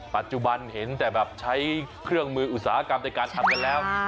ปัจจุบันเห็นแต่แบบใช้เครื่องมืออุตสาหกรรมในการทำกันแล้ว